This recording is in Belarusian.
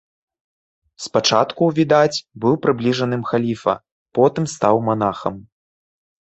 Спачатку, відаць, быў прыбліжаным халіфа, потым стаў манахам.